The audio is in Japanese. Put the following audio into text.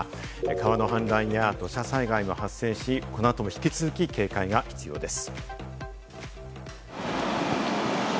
川の氾濫や土砂災害も発生し、この後も引き続き警戒が必要です。